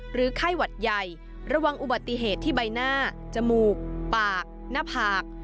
ไข้หวัดใหญ่ระวังอุบัติเหตุที่ใบหน้าจมูกปากหน้าผาก